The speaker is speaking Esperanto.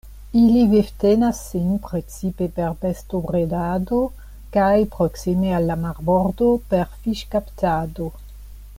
Ili vivtenas sin precipe per bestobredado kaj proksime al la marbordo per fiŝkaptado.